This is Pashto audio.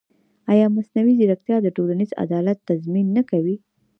ایا مصنوعي ځیرکتیا د ټولنیز عدالت تضمین نه کوي؟